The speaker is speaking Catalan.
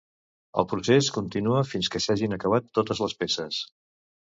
El procés continua fins que s'hagin acabat totes les peces.